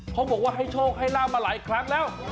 เขาบอกว่าให้โชคให้ลาบมาหลายครั้งแล้ว